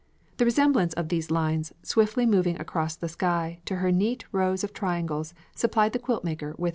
The resemblance of these lines, swiftly moving across the sky, to her neat rows of triangles supplied the quilt maker with her inspiration.